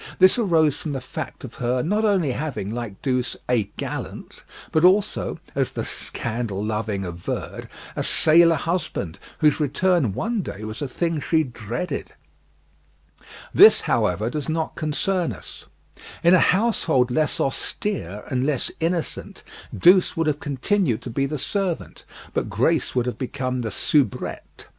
This arose from the fact of her not only having, like Douce, "a gallant," but also, as the scandal loving averred, a sailor husband, whose return one day was a thing she dreaded. This, however, does not concern us. In a household less austere and less innocent, Douce would have continued to be the servant, but Grace would have become the soubrette.